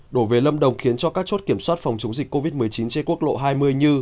đổ về lâm đồng khiến cho các chốt kiểm soát phòng chống dịch covid một mươi chín trên quốc lộ hai mươi như